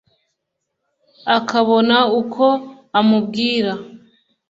akabona uko amubwira